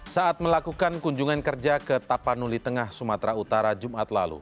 saat melakukan kunjungan kerja ke tapanuli tengah sumatera utara jumat lalu